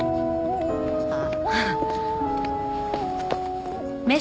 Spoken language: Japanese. あっ。